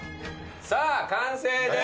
さあ完成です。